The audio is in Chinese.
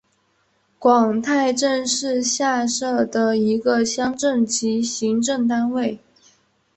广太镇是下辖的一个乡镇级行政单位。